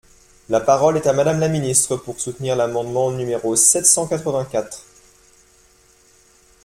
La parole est à Madame la ministre, pour soutenir l’amendement numéro sept cent quatre-vingt-quatre.